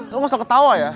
lo gak usah ketawa ya